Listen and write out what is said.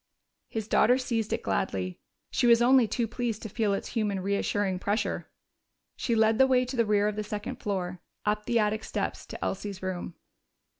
His daughter seized it gladly; she was only too pleased to feel its human, reassuring pressure. She led the way to the rear of the second floor, up the attic steps to Elsie's room.